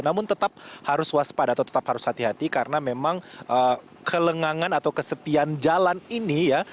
namun tetap harus waspada atau tetap harus hati hati karena memang kelengangan atau kesepian jalan ini ya